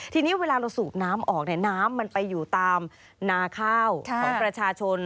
ทีนี้เวลาเราสูบน้ำออกเนี่ยน้ำมันไปอยู่ตามนาข้าวของประชาชน